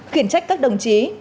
khuyển trách các đồng chí